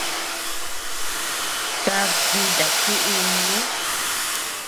Kad yuta chuʼuu.